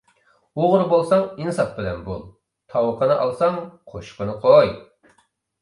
ئوغرى بولساڭ ئىنساپ بىلەن بول، تاۋىقىنى ئالساڭ قوشۇقىنى قوي.